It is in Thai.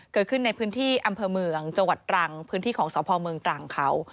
เกิดขึ้นในพื้นที่อำเภอเมืองจังหวัดตรังพื้นที่ของสพเมืองตรังเขา